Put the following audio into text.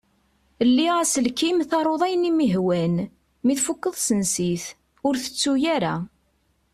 Lli aselkim taruḍ ayen i m-ihwan. Mi tfukeḍ sens-it. Ur tettu ara!